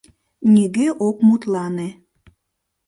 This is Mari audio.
Нигӧ ок мутлане...»